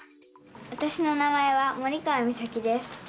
わたしの名前は森川実咲です。